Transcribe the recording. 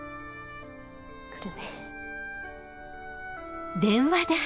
来るね。